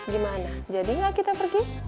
gimana jadi gak kita pergi